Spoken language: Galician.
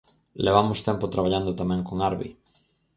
Levamos tempo traballando tamén con Arvi.